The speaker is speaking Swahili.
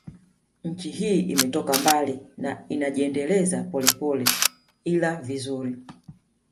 Nchi hii imetoka mbali na inajiendeleza polepole ila vizuri